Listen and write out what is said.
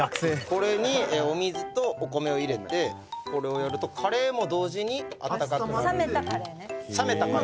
「これにお水とお米を入れてこれをやるとカレーも同時に温かく」「冷めたカレーね」